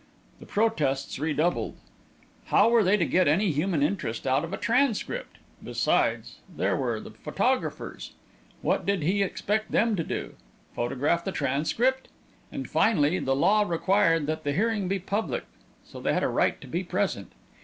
The protests redoubled. How were they to get any human interest out of a transcript? Besides, there were the photographers. What did he expect them to do photograph the transcript? And finally, the law required that the hearing be public, so they had a right to be present.